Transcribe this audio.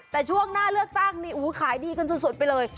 แต่ช่วงหน้าเลือกตั้งนี่ขายดีกันสุดไปเลย